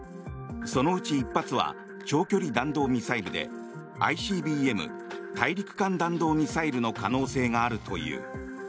そのうち１発は長距離弾道ミサイルでＩＣＢＭ・大陸間弾道ミサイルの可能性があるという。